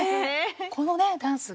このねダンスが。